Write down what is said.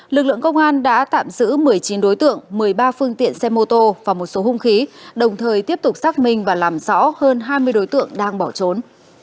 lực lượng công an đã tạm giữ một mươi chín đối tượng một mươi ba phương tiện xe mô tô và một số hung khí đồng thời tiếp tục xác minh và làm rõ hơn hai mươi đối tượng đang bỏ trốn